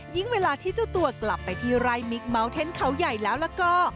เวลาที่เจ้าตัวกลับไปที่ไร่มิกเมาสเทนต์เขาใหญ่แล้วแล้วก็